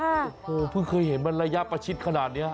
โอ้โหเพิ่งเคยเห็นมันระยะประชิดขนาดนี้